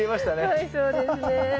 はいそうですね。